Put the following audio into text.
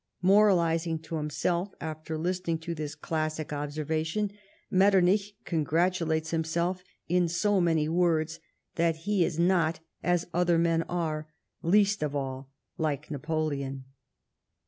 Moralising to himself after listening to this classic obser vation, Metternich congratulates himself, in so many words, that he is not as other men are, least of all like Napoleon.